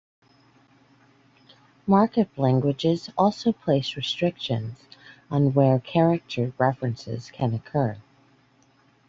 Markup languages also place restrictions on where character references can occur.